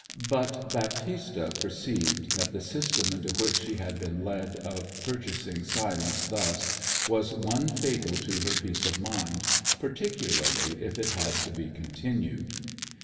But Baptista perceived that the system into which she had been led of purchasing silence thus was one fatal to her peace of mind, particularly if it had to be continued.